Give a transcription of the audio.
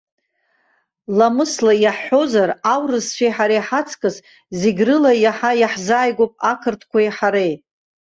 Ламысла иаҳҳәозар, аурысцәеи ҳареи ҳаҵкыс, зегьрыла иаҳа ҳаизааигәоуп ақырҭқәеи ҳареи.